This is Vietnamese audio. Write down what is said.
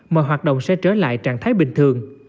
mọi hoạt động sẽ trở lại trạng thái bình thường